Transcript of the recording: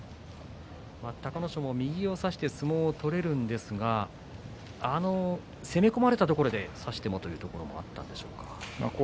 隆の勝も右を差して相撲を取れるんですが攻め込まれたところで差してもということでしょうか。